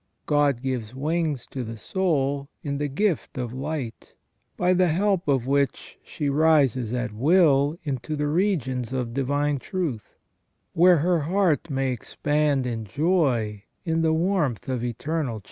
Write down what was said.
God gives wings to the soul in the gift of light, by the help of which she rises at will into the regions of divine truth, where her heart may expand in joy in the warmth of eternal charity.